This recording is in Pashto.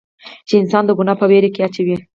چې انسان د ګناه پۀ وېره کښې اچوي